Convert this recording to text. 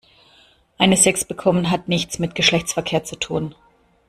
Eine Sechs bekommen hat nichts mit Geschlechtsverkehr zu tun.